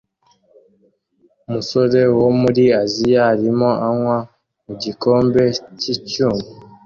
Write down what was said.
Umusore wo muri Aziya arimo anywa mu gikombe cy'icyuma